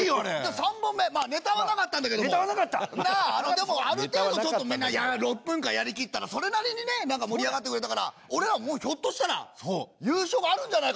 でもある程度ちょっとみんな６分間やりきったらそれなりにねなんか盛り上がってくれたから俺らもうひょっとしたら優勝あるんじゃないか？